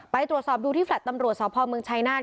ไปตรวจสอบดูที่แลต์ตำรวจสพเมืองชายนาฏ